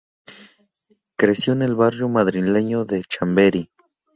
Creció en el barrio madrileño de Chamberí.